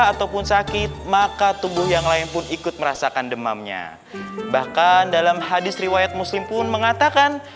ataupun sakit maka tubuh yang lain pun ikut merasakan demamnya bahkan dalam hadis riwayat muslim pun mengatakan